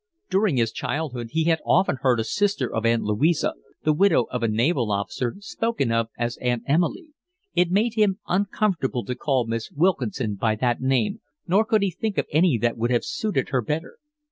During his childhood he had often heard a sister of Aunt Louisa, the widow of a naval officer, spoken of as Aunt Emily. It made him uncomfortable to call Miss Wilkinson by that name, nor could he think of any that would have suited her better.